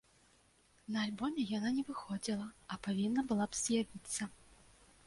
На альбоме яна не выходзіла, а павінна была б з'явіцца.